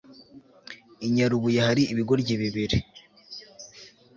i nyarubuye hari ibigoryi bibiri